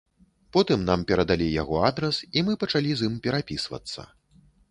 Потым нам перадалі яго адрас, і мы пачалі з ім перапісвацца.